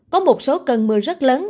có một số cơn mưa rất lớn